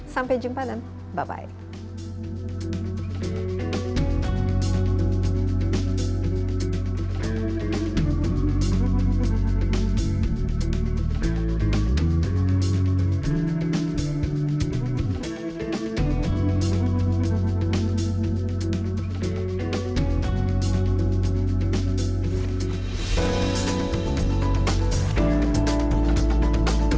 sampai jumpa dan bye bye